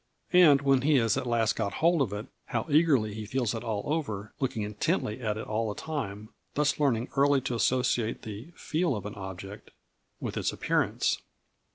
And when he has at last got hold of it, how eagerly he feels it all over, looking intently at it all the time; thus learning early to associate the "feel of an object" with its appearance.